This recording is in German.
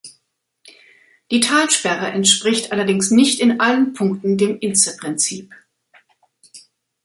Die Talsperre entspricht allerdings nicht in allen Punkten dem Intze-Prinzip.